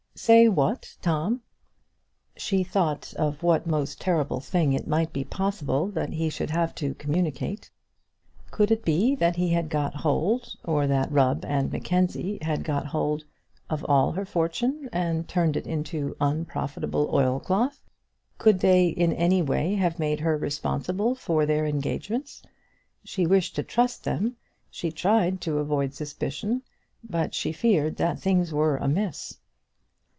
"Say what, Tom?" She thought of what most terrible thing it might be possible that he should have to communicate. Could it be that he had got hold, or that Rubb and Mackenzie had got hold, of all her fortune, and turned it into unprofitable oilcloth? Could they in any way have made her responsible for their engagements? She wished to trust them; she tried to avoid suspicion; but she feared that things were amiss.